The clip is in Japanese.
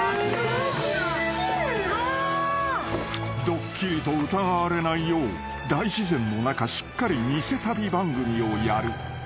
［ドッキリと疑われないよう大自然の中しっかり偽旅番組をやる］